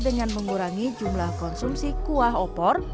dengan mengurangi jumlah konsumsi kuah opor